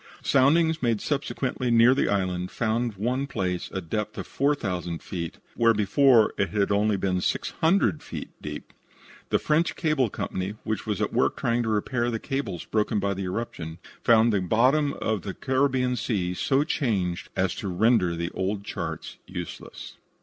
Soundings made subsequently near the island found in one place a depth of 4,000 feet where before it had been only 600 feet deep. The French Cable Company, which was at work trying to repair the cables broken by the eruption, found the bottom of the Caribbean Sea so changed as to render the old charts useless.